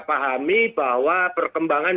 pahami bahwa perkembangan